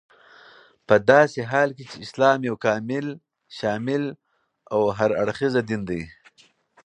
پداسي حال كې چې اسلام يو كامل، شامل او هر اړخيز دين دى